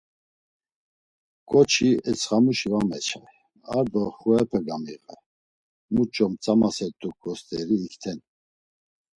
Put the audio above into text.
K̆oçik etsxamuşi var meçay, ar do xuepe gamiğay, muç̌o mtzamasert̆uǩo st̆eri ikten.